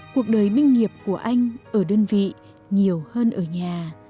cuộc đời binh nghiệp của anh ở đơn vị nhiều hơn ở nhà